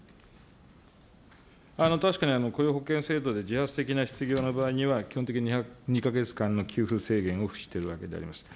確かに、雇用保険制度で、自発的な失業の場合には、基本的２か月間の給付制限を付しているわけであります。